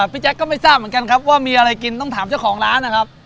แจ๊คก็ไม่ทราบเหมือนกันครับว่ามีอะไรกินต้องถามเจ้าของร้านนะครับ